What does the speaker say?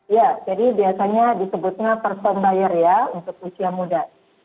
ya jadi biasanya disebutnya perform buyer ya untuk usia muda